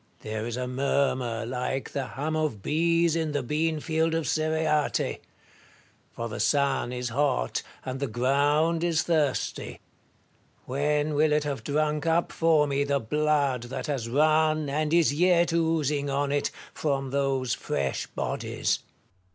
There is a murmur like the hum of bees in the bean field of Cereate ; for the sun is hot, and the ground is thirsty. When will it have drunk up for me the blood that has run, and is yet oozing on it, from those fresh bodies ! Metellus.